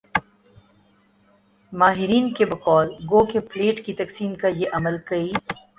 ماہرین کی بقول گو کہ پلیٹ کی تقسیم کا یہ عمل کئی